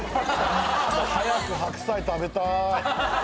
もう早く白菜食べたい！